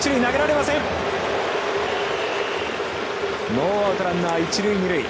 ノーアウト、ランナー、一塁二塁。